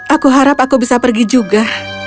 aku harap aku bisa pergi juga